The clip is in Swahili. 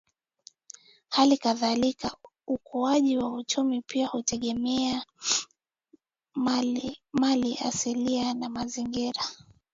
Hali kadhalika ukuaji wa uchumi pia hutegemea maliasili na mazingira